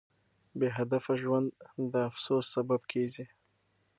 بې هدفه ژوند د افسوس سبب کیږي.